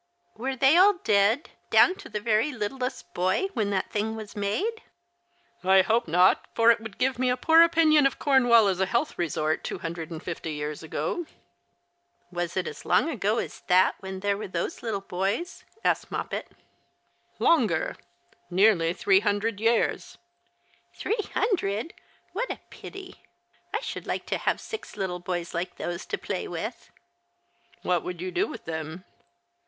"Were they all dead — down to the very littlest boy Avhen that thing was made ?"" I hope not, for it would give me apoor opinion of Cornwall as a health resort two hundred and fifty years ago." The Christmas Hieelings. 125 " Was it as long ago as that when there were those little boys ?" asked ^loj^pet. "Longer. iS"eaiiy three hundred years I "" Three hundred ! What a pity ! I should like to have six little boys like those to play with !"" What would you do with them